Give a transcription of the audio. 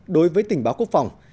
đối với tình báo quốc phòng